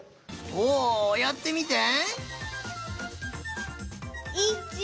おやってみて。